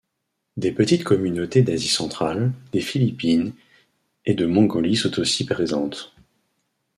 Des petites communautés d'Asie centrale, des Philippines et de Mongolie sont aussi présentes.